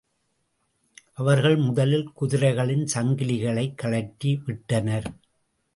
அவர்கள் முதலில் குதிரைகளின் சங்கிலிகளைக் கழற்றிவிட்டனர்.